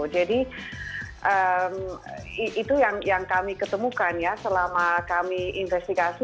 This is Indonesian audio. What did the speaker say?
itu yang kami ketemukan ya selama kami investigasi